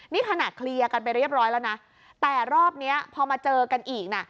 นี่ขนาดเคลียร์กันไปเรียบร้อยแล้วนะแต่รอบนี้พอมาเจอกันอีกนะ